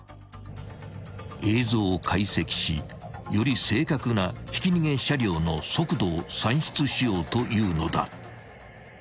［映像を解析しより正確なひき逃げ車両の速度を算出しようというのだ］